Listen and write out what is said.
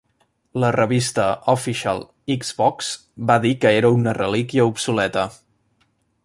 La revista Official Xbox va dir que era "una relíquia obsoleta".